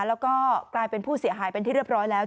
แล้วก็กลายเป็นผู้เสียหายเป็นที่เรียบร้อยแล้ว